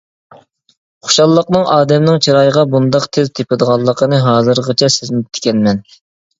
خۇشاللىقنىڭ ئادەمنىڭ چىرايىغا بۇنداق تېز تېپىدىغانلىقىنى ھازىرغىچە سەزمەپتىكەنمەن.